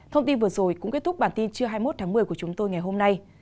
thông tin vừa rồi cũng kết thúc bản tin trưa hai mươi một tháng một mươi của chúng tôi ngày hôm nay